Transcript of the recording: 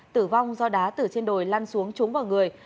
tử vong do đá từ trên đồi lan xuống trúng vào người